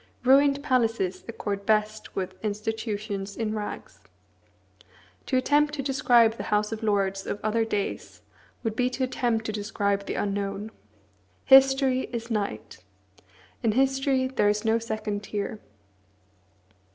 Ruined palaces accord best with institutions in rags. To attempt to describe the House of Lords of other days would be to attempt to describe the unknown. History is night. In history there is no second tier.